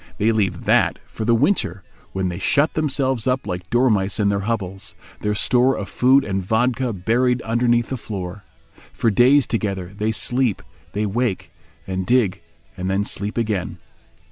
They leave that for the winter, when they shut themselves up like dormice in their hovels, their store of food and vodka buried underneath the floor. For days together they sleep, then wake and dig, then sleep again.